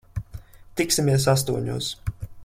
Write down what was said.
Tiksimies astoņos.